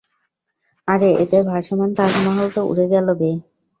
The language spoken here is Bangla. আরে এদের ভাসমান তাজমহল তো উড়ে গেলো বে।